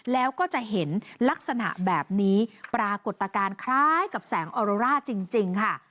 แล้วก็จะเห็นลักษณะแบบนี้ปรากฏการณ์คล้ายกับแสงออโรร่าจริงค่ะ